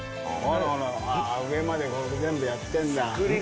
上まで全部やってんだ。